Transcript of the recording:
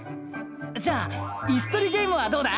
じゃあイスとりゲームはどうだ？